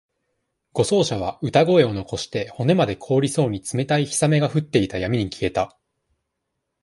護送車は、歌声を残して、骨まで凍りそうに冷たい氷雨が降っていた闇に消えた。